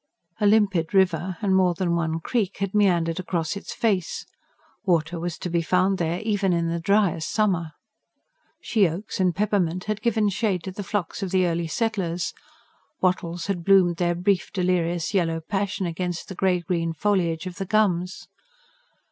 A limpid river and more than one creek had meandered across its face; water was to be found there even in the driest summer. She oaks and peppermint had given shade to the flocks of the early settlers; wattles had bloomed their brief delirious yellow passion against the grey green foliage of the gums.